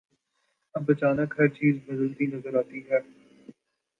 اب اچانک ہر چیز بدلتی نظر آتی ہے۔